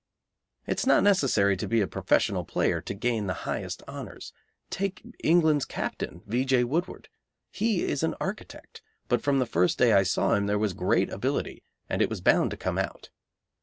It is not necessary to be a professional player to gain the highest honours. Take England's captain, V. J. Woodward; he is an architect, but from the first day I saw him there was great ability, and it was bound to come out.